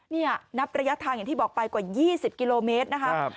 นี่นับระยะทางอย่างที่บอกไปกว่า๒๐กิโลเมตรนะครับ